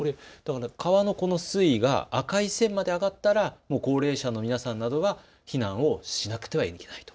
川のこの水位゛か赤い線まで上がったら高齢者の皆さんが避難をしなくてはいけないと。